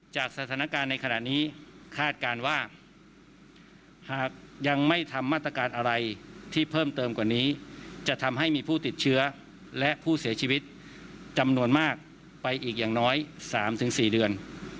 จากสถานการณ์ในขณะนี้คาดการณ์ว่าหากยังไม่ทำมาตรการอะไรที่เพิ่มเติมกว่านี้จะทำให้มีผู้ติดเชื้อและผู้เสียชีวิตจำนวนมากไปอีกอย่างน้อย๓๔เดือน